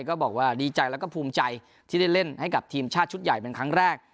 ก็บอกว่าดีใจแล้วก็ภูมิใจที่ได้เล่นให้กับทีมชาติชุดใหญ่เป็นครั้งแรก